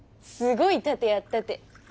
すごい殺陣やったて。